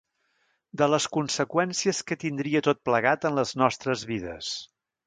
De les conseqüències que tindria tot plegat en les nostres vides.